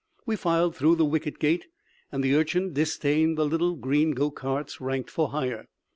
We filed through the wicket gate and the Urchin disdained the little green go carts ranked for hire.